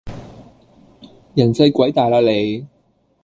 人細鬼大喇你